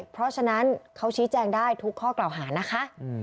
เพราะฉะนั้นเขาชี้แจงได้ทุกข้อกล่าวหานะคะ